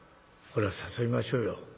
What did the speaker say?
これは誘いましょうよ」。